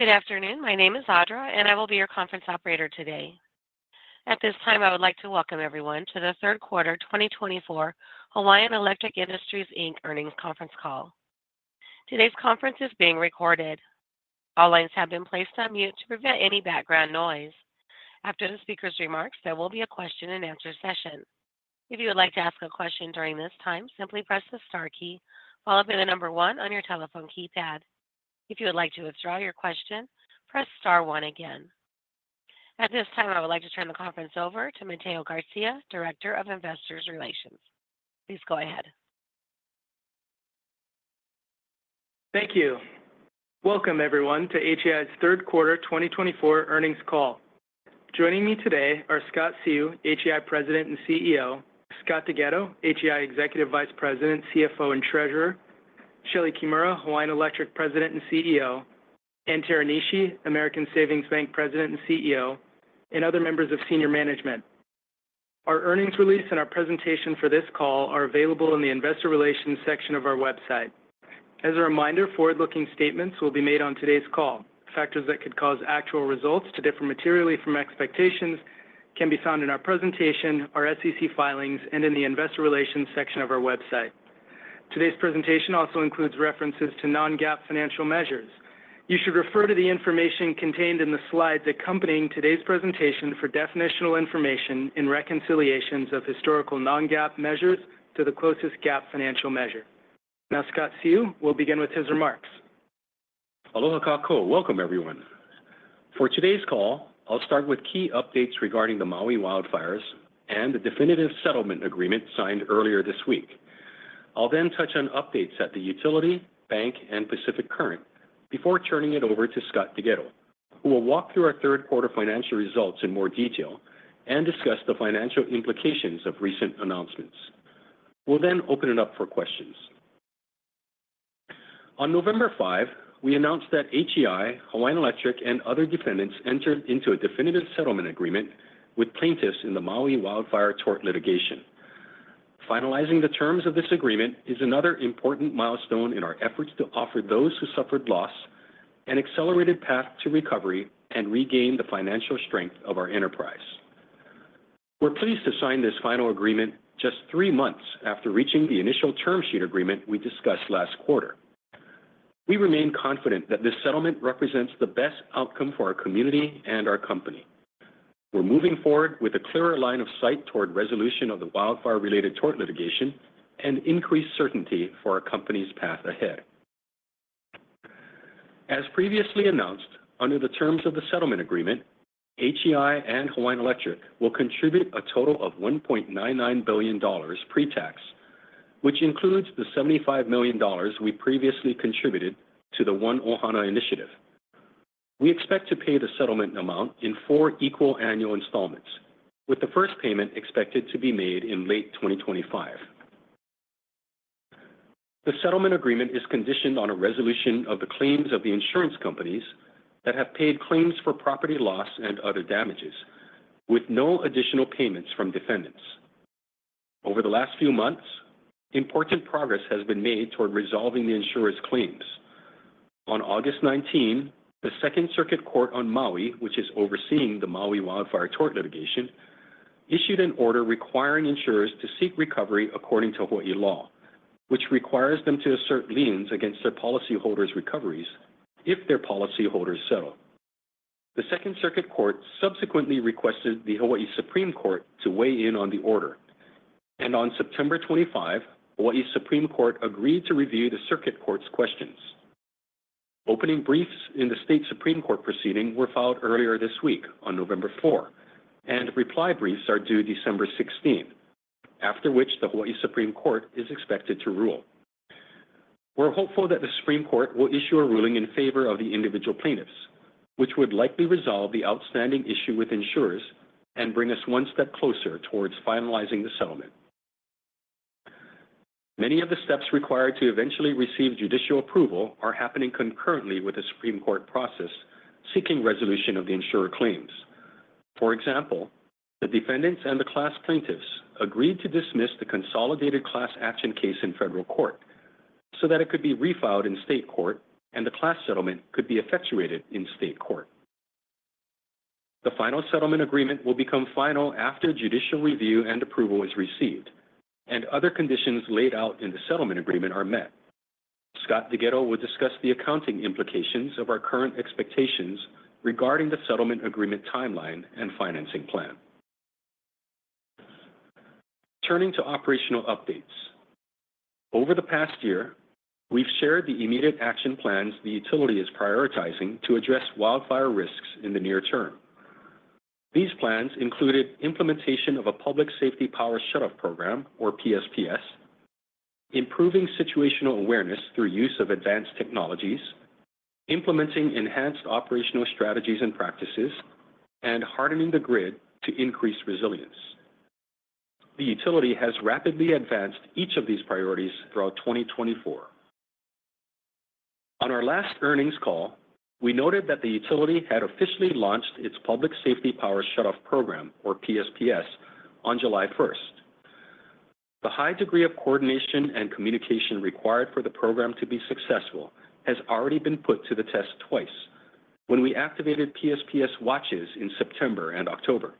Good afternoon. My name is Audra, and I will be your conference operator today. At this time, I would like to welcome everyone to the third quarter 2024 Hawaiian Electric Industries Inc. earnings conference call. Today's conference is being recorded. All lines have been placed on mute to prevent any background noise. After the speaker's remarks, there will be a question and answer session. If you would like to ask a question during this time, simply press the star key, followed by the number one on your telephone keypad. If you would like to withdraw your question, press star one again. At this time, I would like to turn the conference over to Mateo Garcia, Director of Investor Relations. Please go ahead. Thank you. Welcome, everyone, to HEI's third quarter 2024 earnings call. Joining me today are Scott Seu, HEI President and CEO, Scott DeGhetto, HEI Executive Vice President, CFO and Treasurer, Shelee Kimura, Hawaiian Electric President and CEO, Ann Teranishi, American Savings Bank President and CEO, and other members of senior management. Our earnings release and our presentation for this call are available in the Investor Relations section of our website. As a reminder, forward-looking statements will be made on today's call. Factors that could cause actual results to differ materially from expectations can be found in our presentation, our SEC filings, and in the Investor Relations section of our website. Today's presentation also includes references to non-GAAP financial measures. You should refer to the information contained in the slides accompanying today's presentation for definitional information in reconciliations of historical non-GAAP measures to the closest GAAP financial measure. Now, Scott Seu will begin with his remarks. Aloha kākou. Welcome, everyone. For today's call, I'll start with key updates regarding the Maui wildfires and the definitive settlement agreement signed earlier this week. I'll then touch on updates at the utility, bank, and Pacific Current before turning it over to Scott DeGhetto, who will walk through our third quarter financial results in more detail and discuss the financial implications of recent announcements. We'll then open it up for questions. On November 5, we announced that HEI, Hawaiian Electric, and other defendants entered into a definitive settlement agreement with plaintiffs in the Maui wildfire tort litigation. Finalizing the terms of this agreement is another important milestone in our efforts to offer those who suffered loss an accelerated path to recovery and regain the financial strength of our enterprise. We're pleased to sign this final agreement just three months after reaching the initial term sheet agreement we discussed last quarter. We remain confident that this settlement represents the best outcome for our community and our company. We're moving forward with a clearer line of sight toward resolution of the wildfire-related tort litigation and increased certainty for our company's path ahead. As previously announced, under the terms of the settlement agreement, HEI and Hawaiian Electric will contribute a total of $1.99 billion pre-tax, which includes the $75 million we previously contributed to the One 'Ohana Initiative. We expect to pay the settlement amount in four equal annual installments, with the first payment expected to be made in late 2025. The settlement agreement is conditioned on a resolution of the claims of the insurance companies that have paid claims for property loss and other damages, with no additional payments from defendants. Over the last few months, important progress has been made toward resolving the insurers' claims. On August 19, the Second Circuit Court on Maui, which is overseeing the Maui wildfire tort litigation, issued an order requiring insurers to seek recovery according to Hawai'i law, which requires them to assert liens against their policyholders' recoveries if their policyholders settle. The Second Circuit Court subsequently requested the Hawai'i Supreme Court to weigh in on the order, and on September 25, Hawai'i Supreme Court agreed to review the Circuit Court's questions. Opening briefs in the State Supreme Court proceeding were filed earlier this week, on November 4, and reply briefs are due December 16, after which the Hawai'i Supreme Court is expected to rule. We're hopeful that the Supreme Court will issue a ruling in favor of the individual plaintiffs, which would likely resolve the outstanding issue with insurers and bring us one step closer toward finalizing the settlement. Many of the steps required to eventually receive judicial approval are happening concurrently with the Supreme Court process seeking resolution of the insurer claims. For example, the defendants and the class plaintiffs agreed to dismiss the consolidated class action case in federal court so that it could be refiled in state court and the class settlement could be effectuated in state court. The final settlement agreement will become final after judicial review and approval is received, and other conditions laid out in the settlement agreement are met. Scott DeGhetto will discuss the accounting implications of our current expectations regarding the settlement agreement timeline and financing plan. Turning to operational updates. Over the past year, we've shared the immediate action plans the utility is prioritizing to address wildfire risks in the near term. These plans included implementation of a Public Safety Power Shutoff Program, or PSPS, improving situational awareness through use of advanced technologies, implementing enhanced operational strategies and practices, and hardening the grid to increase resilience. The utility has rapidly advanced each of these priorities throughout 2024. On our last earnings call, we noted that the utility had officially launched its Public Safety Power Shutoff Program, or PSPS, on July 1st. The high degree of coordination and communication required for the program to be successful has already been put to the test twice when we activated PSPS watches in September and October.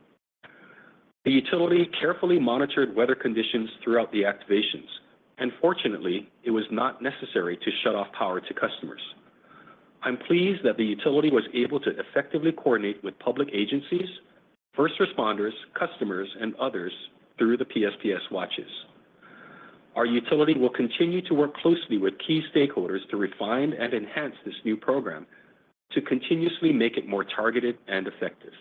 The utility carefully monitored weather conditions throughout the activations, and fortunately, it was not necessary to shut off power to customers. I'm pleased that the utility was able to effectively coordinate with public agencies, first responders, customers, and others through the PSPS watches. Our utility will continue to work closely with key stakeholders to refine and enhance this new program to continuously make it more targeted and effective.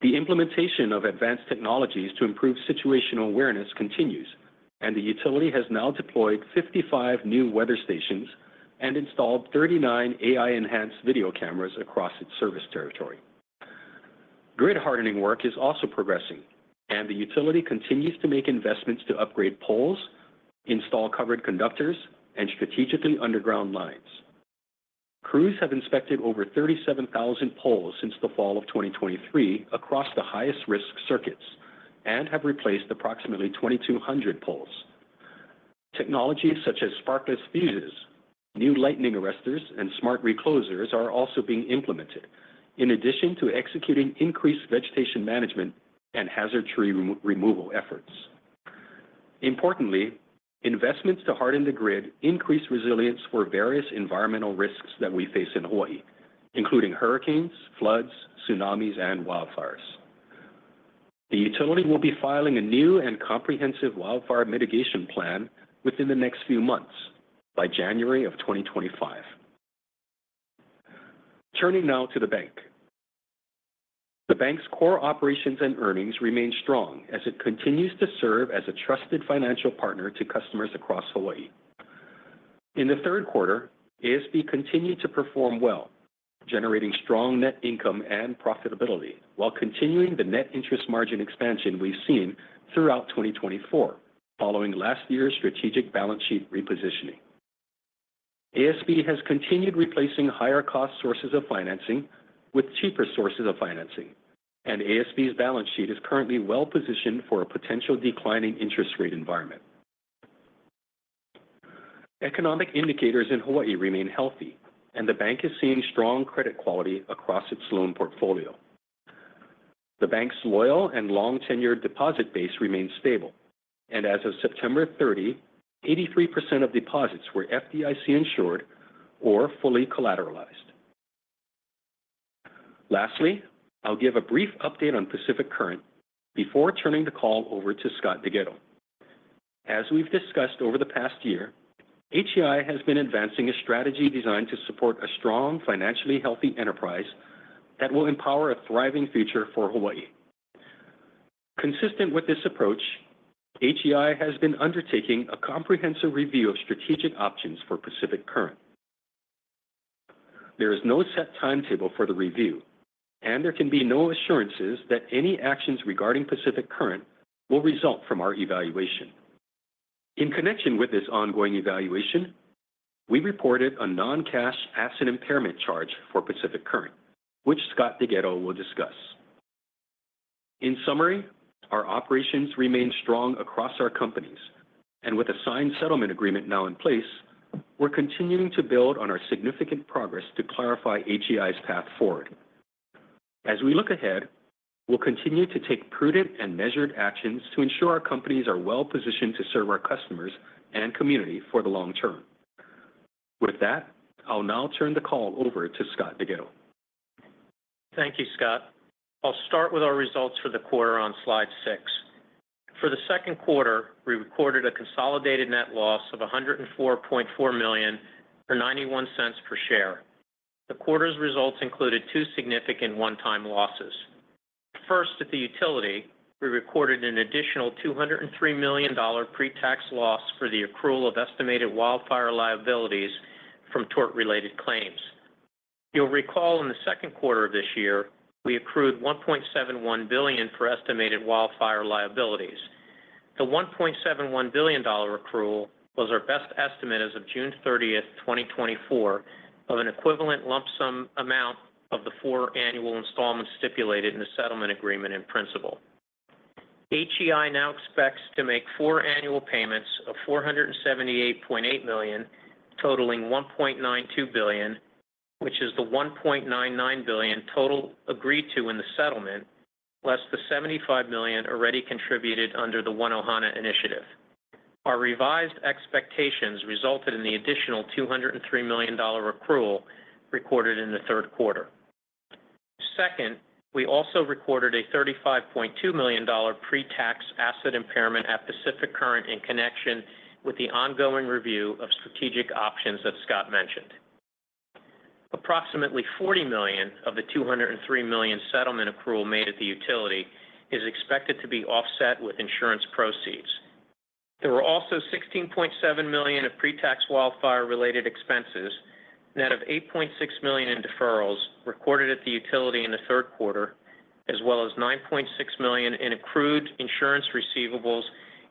The implementation of advanced technologies to improve situational awareness continues, and the utility has now deployed 55 new weather stations and installed 39 AI-enhanced video cameras across its service territory. Grid hardening work is also progressing, and the utility continues to make investments to upgrade poles, install covered conductors, and strategically underground lines. Crews have inspected over 37,000 poles since the fall of 2023 across the highest-risk circuits and have replaced approximately 2,200 poles. Technologies such as sparkless fuses, new lightning arresters, and smart reclosers are also being implemented, in addition to executing increased vegetation management and hazard tree removal efforts. Importantly, investments to harden the grid increase resilience for various environmental risks that we face in Hawai'i, including hurricanes, floods, tsunamis, and wildfires. The utility will be filing a new and comprehensive wildfire mitigation plan within the next few months by January of 2025. Turning now to the bank. The bank's core operations and earnings remain strong as it continues to serve as a trusted financial partner to customers across Hawai'i. In the third quarter, ASB continued to perform well, generating strong net income and profitability while continuing the net interest margin expansion we've seen throughout 2024 following last year's strategic balance sheet repositioning. ASB has continued replacing higher-cost sources of financing with cheaper sources of financing, and ASB's balance sheet is currently well-positioned for a potential declining interest rate environment. Economic indicators in Hawai'i remain healthy, and the bank is seeing strong credit quality across its loan portfolio. The bank's loyal and long-tenured deposit base remains stable, and as of September 30, 83% of deposits were FDIC insured or fully collateralized. Lastly, I'll give a brief update on Pacific Current before turning the call over to Scott DeGhetto. As we've discussed over the past year, HEI has been advancing a strategy designed to support a strong, financially healthy enterprise that will empower a thriving future for Hawai'i. Consistent with this approach, HEI has been undertaking a comprehensive review of strategic options for Pacific Current. There is no set timetable for the review, and there can be no assurances that any actions regarding Pacific Current will result from our evaluation. In connection with this ongoing evaluation, we reported a non-cash asset impairment charge for Pacific Current, which Scott DeGhetto will discuss. In summary, our operations remain strong across our companies, and with a signed settlement agreement now in place, we're continuing to build on our significant progress to clarify HEI's path forward. As we look ahead, we'll continue to take prudent and measured actions to ensure our companies are well-positioned to serve our customers and community for the long term. With that, I'll now turn the call over to Scott DeGhetto. Thank you, Scott. I'll start with our results for the quarter on slide six. For the second quarter, we recorded a consolidated net loss of $104.4 million or $0.91 per share. The quarter's results included two significant one-time losses. First, at the utility, we recorded an additional $203 million pre-tax loss for the accrual of estimated wildfire liabilities from tort-related claims. You'll recall in the second quarter of this year, we accrued $1.71 billion for estimated wildfire liabilities. The $1.71 billion accrual was our best estimate as of June 30, 2024, of an equivalent lump sum amount of the four annual installments stipulated in the settlement agreement in principle. HEI now expects to make four annual payments of $478.8 million, totaling $1.92 billion, which is the $1.99 billion total agreed to in the settlement, less the $75 million already contributed under the One 'Ohana Initiative. Our revised expectations resulted in the additional $203 million accrual recorded in the third quarter. Second, we also recorded a $35.2 million pre-tax asset impairment at Pacific Current in connection with the ongoing review of strategic options that Scott mentioned. Approximately $40 million of the $203 million settlement accrual made at the utility is expected to be offset with insurance proceeds. There were also $16.7 million of pre-tax wildfire-related expenses, net of $8.6 million in deferrals recorded at the utility in the third quarter, as well as $9.6 million in accrued insurance receivables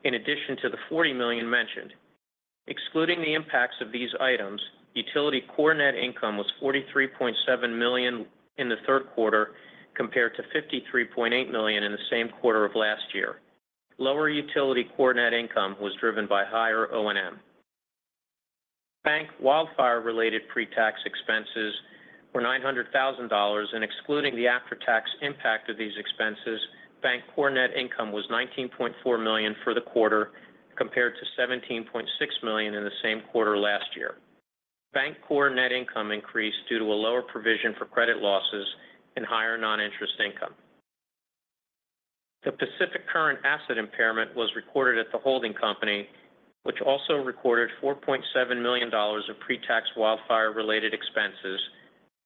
in addition to the $40 million mentioned. Excluding the impacts of these items, utility core net income was $43.7 million in the third quarter compared to $53.8 million in the same quarter of last year. Lower utility core net income was driven by higher O&M. Bank wildfire-related pre-tax expenses were $900,000, and excluding the after-tax impact of these expenses, bank core net income was $19.4 million for the quarter compared to $17.6 million in the same quarter last year. Bank core net income increased due to a lower provision for credit losses and higher non-interest income. The Pacific Current asset impairment was recorded at the holding company, which also recorded $4.7 million of pre-tax wildfire-related expenses,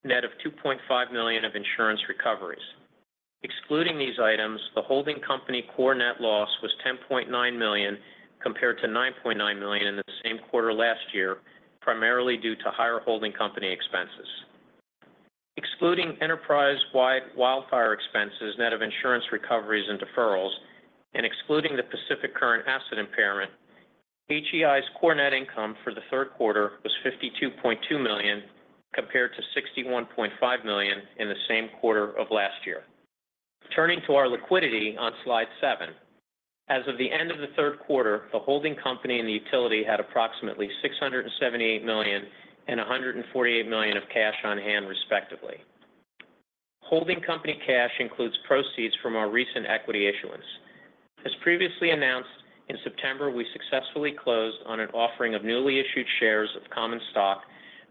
net of $2.5 million of insurance recoveries. Excluding these items, the holding company core net loss was $10.9 million compared to $9.9 million in the same quarter last year, primarily due to higher holding company expenses. Excluding enterprise-wide wildfire expenses, net of insurance recoveries and deferrals, and excluding the Pacific Current asset impairment, HEI's core net income for the third quarter was $52.2 million compared to $61.5 million in the same quarter of last year. Turning to our liquidity on slide seven. As of the end of the third quarter, the holding company and the utility had approximately $678 million and $148 million of cash on hand, respectively. Holding company cash includes proceeds from our recent equity issuance. As previously announced, in September, we successfully closed on an offering of newly issued shares of common stock,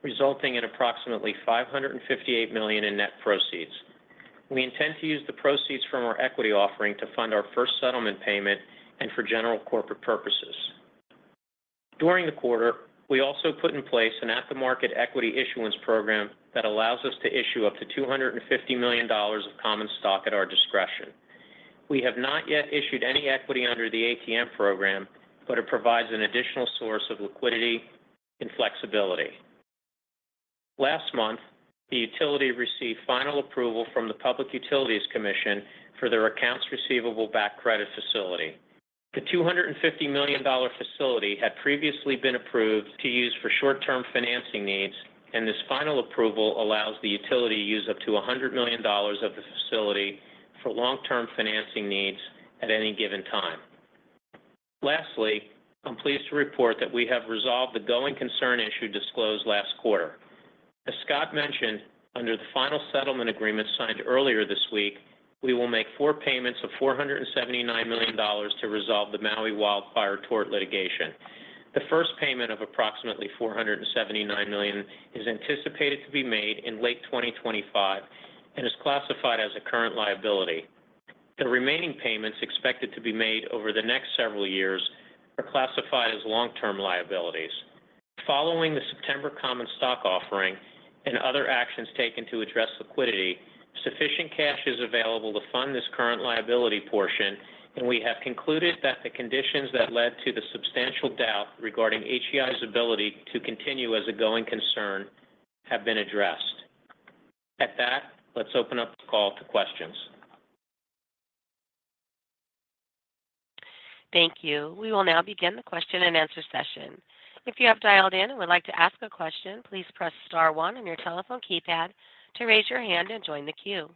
resulting in approximately $558 million in net proceeds. We intend to use the proceeds from our equity offering to fund our first settlement payment and for general corporate purposes. During the quarter, we also put in place an at the market equity issuance program that allows us to issue up to $250 million of common stock at our discretion. We have not yet issued any equity under the ATM program, but it provides an additional source of liquidity and flexibility. Last month, the utility received final approval from the Public Utilities Commission for their accounts receivable backed credit facility. The $250 million facility had previously been approved to use for short-term financing needs, and this final approval allows the utility to use up to $100 million of the facility for long-term financing needs at any given time. Lastly, I'm pleased to report that we have resolved the going concern issue disclosed last quarter. As Scott mentioned, under the final settlement agreement signed earlier this week, we will make four payments of $479 million to resolve the Maui wildfire tort litigation. The first payment of approximately $479 million is anticipated to be made in late 2025 and is classified as a current liability. The remaining payments expected to be made over the next several years are classified as long-term liabilities. Following the September common stock offering and other actions taken to address liquidity, sufficient cash is available to fund this current liability portion, and we have concluded that the conditions that led to the substantial doubt regarding HEI's ability to continue as a going concern have been addressed. At that, let's open up the call to questions. Thank you. We will now begin the question and answer session. If you have dialed in and would like to ask a question, please press star one on your telephone keypad to raise your hand and join the queue.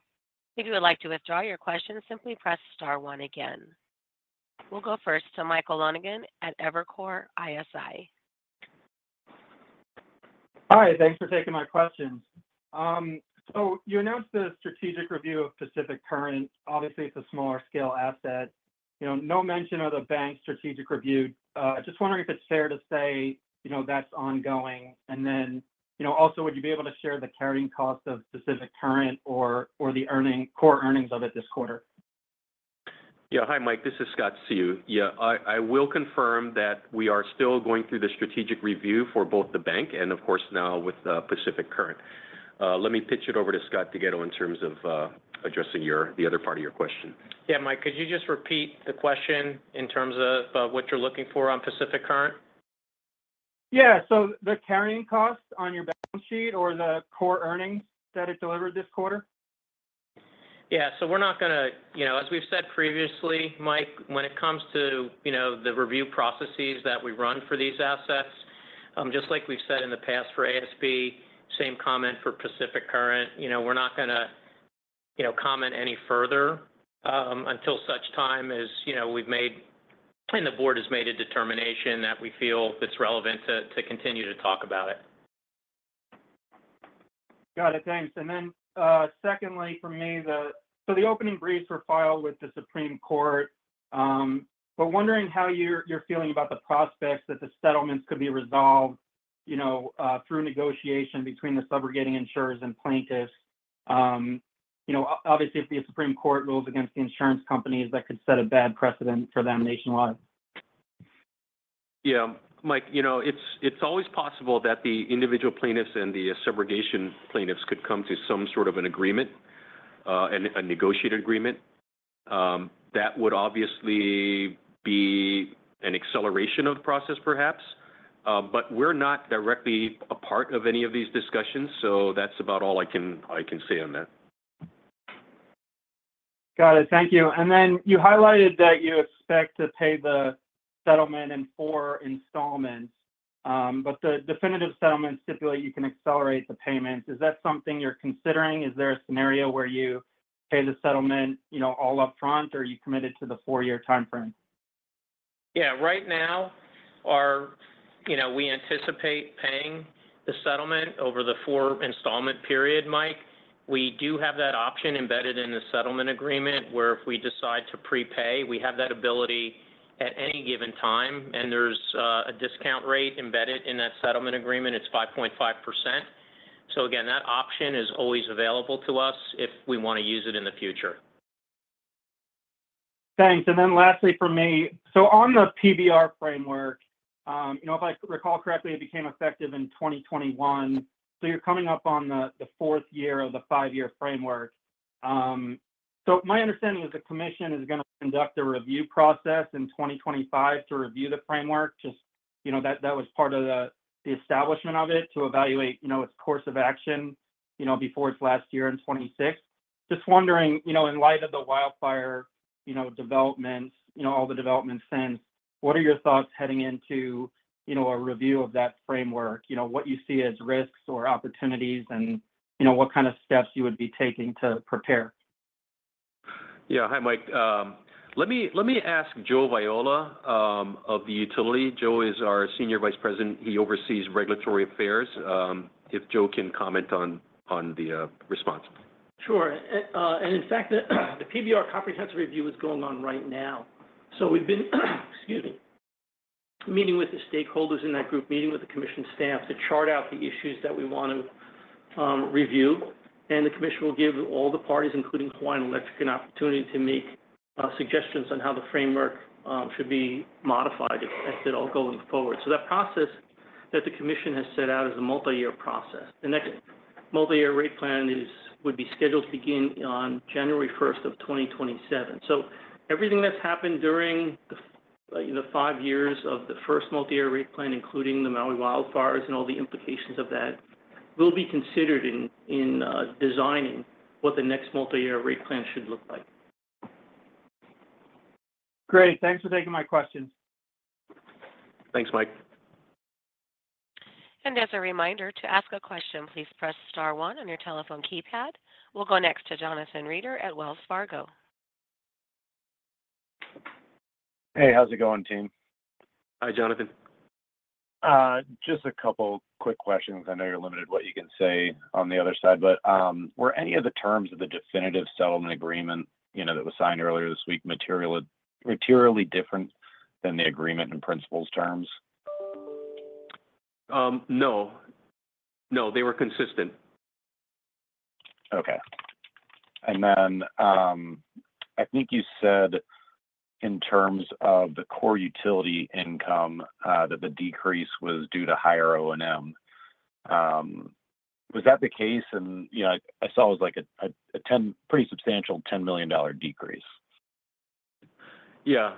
If you would like to withdraw your question, simply press star one again. We'll go first to Michael Lonegan at Evercore ISI. Hi. Thanks for taking my questions. So you announced the strategic review of Pacific Current. Obviously, it's a smaller-scale asset. No mention of the bank's strategic review. Just wondering if it's fair to say that's ongoing. And then also, would you be able to share the carrying cost of Pacific Current or the core earnings of it this quarter? Yeah. Hi, Mike. This is Scott Seu. Yeah. I will confirm that we are still going through the strategic review for both the bank and, of course, now with Pacific Current. Let me pitch it over to Scott DeGhetto in terms of addressing the other part of your question. Yeah, Mike. Could you just repeat the question in terms of what you're looking for on Pacific Current? Yeah, so the carrying cost on your balance sheet or the core earnings that it delivered this quarter? Yeah. So we're not going to, as we've said previously, Mike, when it comes to the review processes that we run for these assets, just like we've said in the past for ASB, same comment for Pacific Current. We're not going to comment any further until such time as we've made and the board has made a determination that we feel it's relevant to continue to talk about it. Got it. Thanks, and then secondly, for me, so the opening briefs were filed with the Supreme Court, but wondering how you're feeling about the prospects that the settlements could be resolved through negotiation between the subrogating insurers and plaintiffs. Obviously, if the Supreme Court rules against the insurance companies, that could set a bad precedent for them nationwide. Yeah. Mike, it's always possible that the individual plaintiffs and the subrogation plaintiffs could come to some sort of an agreement, a negotiated agreement. That would obviously be an acceleration of the process, perhaps. But we're not directly a part of any of these discussions, so that's about all I can say on that. Got it. Thank you. And then you highlighted that you expect to pay the settlement in four installments, but the definitive settlement stipulate you can accelerate the payments. Is that something you're considering? Is there a scenario where you pay the settlement all upfront, or are you committed to the four-year timeframe? Yeah. Right now, we anticipate paying the settlement over the four-installment period, Mike. We do have that option embedded in the settlement agreement where if we decide to prepay, we have that ability at any given time, and there's a discount rate embedded in that settlement agreement. It's 5.5%. So again, that option is always available to us if we want to use it in the future. Thanks. And then lastly, for me, so on the PBR framework, if I recall correctly, it became effective in 2021. So you're coming up on the fourth year of the five-year framework. So my understanding is the commission is going to conduct a review process in 2025 to review the framework. Just that was part of the establishment of it to evaluate its course of action before its last year in 2026. Just wondering, in light of the wildfire developments, all the developments since, what are your thoughts heading into a review of that framework? What you see as risks or opportunities and what kind of steps you would be taking to prepare? Yeah. Hi, Mike. Let me ask Joe Viola of the utility. Joe is our Senior Vice President. He oversees regulatory affairs. If Joe can comment on the response. Sure. And in fact, the PBR comprehensive review is going on right now. So we've been, excuse me, meeting with the stakeholders in that group, meeting with the commission staff to chart out the issues that we want to review. And the commission will give all the parties, including Hawaiian Electric, an opportunity to make suggestions on how the framework should be modified as it all goes forward. So that process that the commission has set out is a multi-year process. The next multi-year rate plan would be scheduled to begin on January 1st of 2027. So everything that's happened during the five years of the first multi-year rate plan, including the Maui wildfires and all the implications of that, will be considered in designing what the next multi-year rate plan should look like. Great. Thanks for taking my questions. Thanks, Mike. As a reminder, to ask a question, please press star one on your telephone keypad. We'll go next to Jonathan Reeder at Wells Fargo. Hey, how's it going, team? Hi, Jonathan. Just a couple quick questions. I know you're limited what you can say on the other side, but were any of the terms of the definitive settlement agreement that was signed earlier this week materially different than the agreement in principle's terms? No. No. They were consistent. Okay. And then I think you said in terms of the core utility income that the decrease was due to higher O&M. Was that the case? And I saw it was a pretty substantial $10 million decrease. Yeah.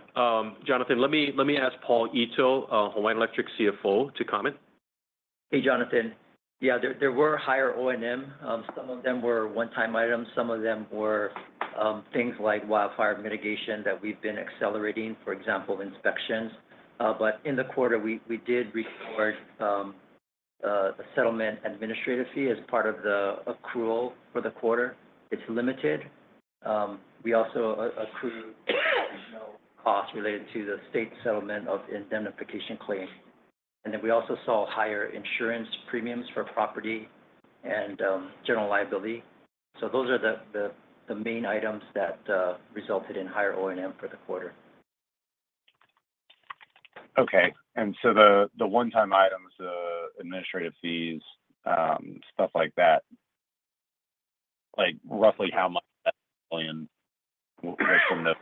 Jonathan, let me ask Paul Ito, Hawaiian Electric CFO, to comment. Hey, Jonathan. Yeah. There were higher O&M. Some of them were one-time items. Some of them were things like wildfire mitigation that we've been accelerating, for example, inspections. But in the quarter, we did record the settlement administrative fee as part of the accrual for the quarter. It's limited. We also accrued costs related to the state settlement of indemnification claims. And then we also saw higher insurance premiums for property and general liability. So those are the main items that resulted in higher O&M for the quarter. Okay. And so the one-time items, the administrative fees, stuff like that, roughly how much that's going to be from the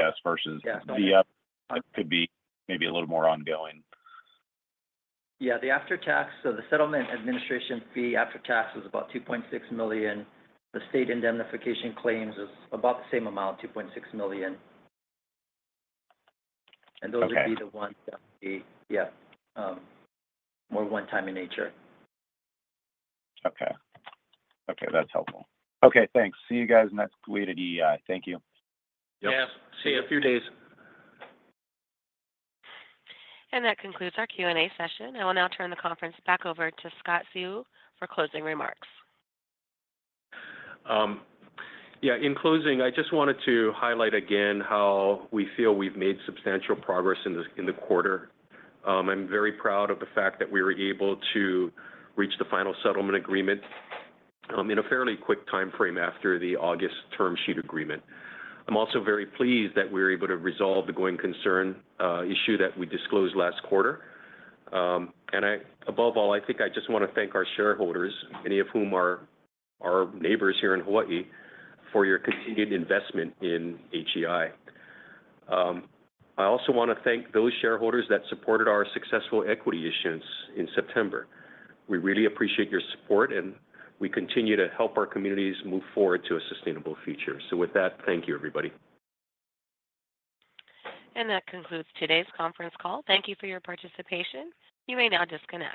tax versus the VAT that could be maybe a little more ongoing? Yeah. So the settlement administration fee after tax was about $2.6 million. The state indemnification claims was about the same amount, $2.6 million. And those would be the ones that would be, yeah, more one-time in nature. Okay. That's helpful. Okay. Thanks. See you guys next week at EEI. Thank you. Yeah. See you in a few days. That concludes our Q&A session. I will now turn the conference back over to Scott Seu for closing remarks. Yeah. In closing, I just wanted to highlight again how we feel we've made substantial progress in the quarter. I'm very proud of the fact that we were able to reach the final settlement agreement in a fairly quick timeframe after the August term sheet agreement. I'm also very pleased that we were able to resolve the going concern issue that we disclosed last quarter. And above all, I think I just want to thank our shareholders, many of whom are our neighbors here in Hawai'i, for your continued investment in HEI. I also want to thank those shareholders that supported our successful equity issuance in September. We really appreciate your support, and we continue to help our communities move forward to a sustainable future. So with that, thank you, everybody. That concludes today's conference call. Thank you for your participation. You may now disconnect.